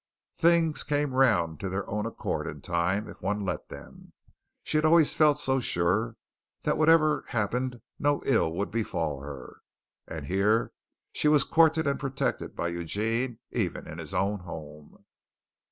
Things came round of their own accord in time, if one let them. She had always felt so sure that whatever happened no ill would befall her, and here she was courted and protected by Eugene even in his own home!